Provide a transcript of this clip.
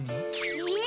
えっ？